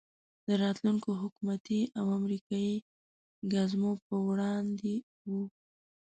د راتلونکو حکومتي او امریکایي ګزمو په وړاندې وو.